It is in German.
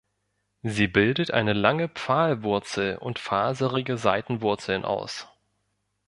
Sie bildet eine lange Pfahlwurzel und faserige Seitenwurzeln aus.